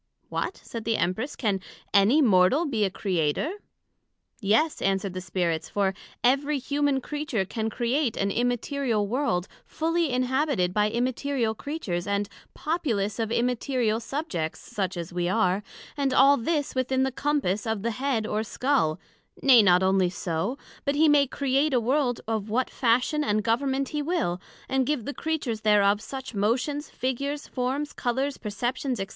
What, said the Empress, can any Mortal be a Creator? Yes, answered the Spirits; for every human Creature can create an Immaterial World fully inhabited by Immaterial Creatures, and populous of Immaterial subjects, such as we are, and all this within the compass of the head or scull; nay, not onely so, but he may create a World of what fashion and Government he will, and give the Creatures thereof such motions, figures, forms, colours, perceptions, &c.